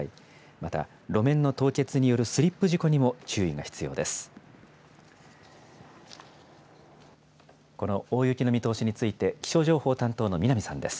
また、路面の凍結によるスリップ事故にも注意が必要です。